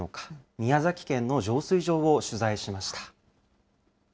宮崎県の浄水場を取材しました。